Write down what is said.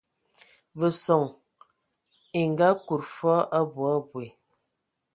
Ve son e ngaakud foo abui abui.